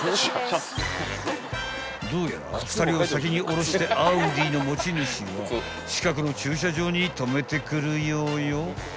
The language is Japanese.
［どうやら２人を先に降ろしてＡｕｄｉの持ち主は近くの駐車場に止めてくるようよ］